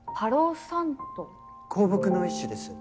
香木の一種です。